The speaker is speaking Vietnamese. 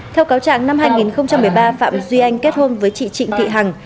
theo cáo trạng năm hai nghìn một mươi ba phạm duy anh kết hôn với chị trịnh thị hằng